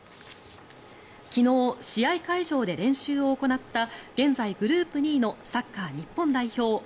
昨日、試合会場で練習を行った現在、グループ２位のサッカー日本代表。